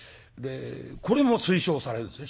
これも推奨されるんですね